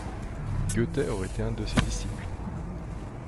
Goethe aurait été un de ses disciples.